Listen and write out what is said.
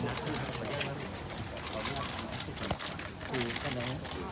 มาแจ้งเรื่องอะไรหรือเปล่า